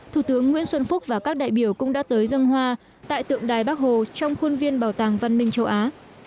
thủ tướng nguyễn xuân phúc và các đại biểu cũng đã tới dân hoa tại tượng đài bắc hồ trong khuôn viên bảo tàng văn minh châu á